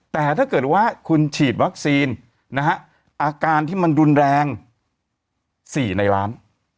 แต่ถ้าเกิดว่าคุณฉีดวัคซีนนะฮะอาการที่มันรุนแรง๔ในล้าน